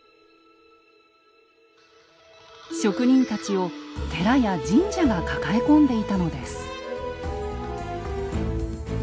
職人たちを寺や神社が抱え込んでいたのです。